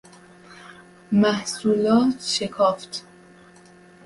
محصولات شکافت